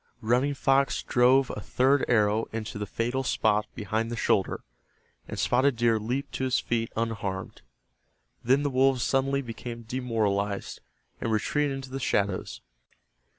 Running Fox drove a third arrow into the fatal spot behind the shoulder, and Spotted Deer leaped to his feet unharmed. Then the wolves suddenly became demoralized, and retreated into the shadows.